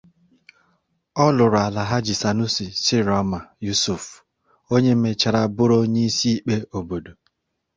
Ọ lụrụ Alhaji Sanusi Ciroma Yusuf, onye mechara bụrụ onye isi ikpe obodo.